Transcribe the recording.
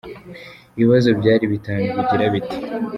Ibibazo byari bitanu bigira biti :.